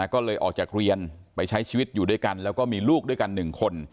ก็เลยออกจากเรียนไปใช้ชีวิตอยู่ด้วยกันแล้วก็มีลูกด้วยกัน๑คน